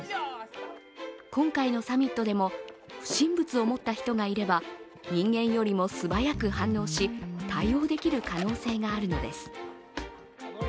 今回のサミットでも不審物を持った人がいれば、人間よりも素早く反応し、対応できる可能性があるのです。